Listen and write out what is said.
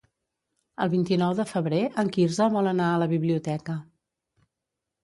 El vint-i-nou de febrer en Quirze vol anar a la biblioteca.